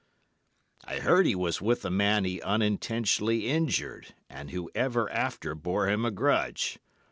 "'I heard he was with a man he unintentionally injured, and who ever after bore him a grudge.